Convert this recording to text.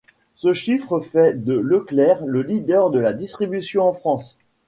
Ce chiffre fait de Leclerc le leader de la distribution en France.